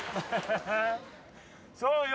そうよ